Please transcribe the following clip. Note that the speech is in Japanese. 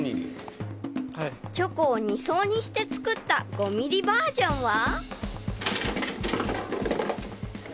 ［チョコを２層にして作った５ｍｍバージョンは］